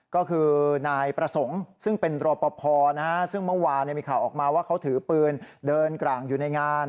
ก็คือนายประสงค์ซึ่งเป็นรอปภซึ่งเมื่อวานมีข่าวออกมาว่าเขาถือปืนเดินกลางอยู่ในงาน